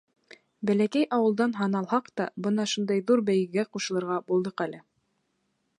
— Бәләкәй ауылдан һаналһаҡ та, бына шундай ҙур бәйгегә ҡушылырға булдыҡ әле.